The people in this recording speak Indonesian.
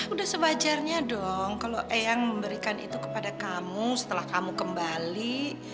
udah sewajarnya dong kalau eyang memberikan itu kepada kamu setelah kamu kembali